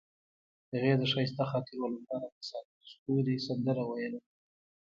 هغې د ښایسته خاطرو لپاره د صادق ستوري سندره ویله.